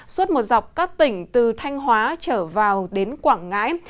suốt một dọc các tỉnh từ thanh hóa trở vào đến quảng ngãi